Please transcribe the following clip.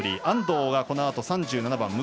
安藤がこのあと３７番。